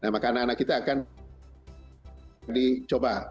nah maka anak anak kita akan dicoba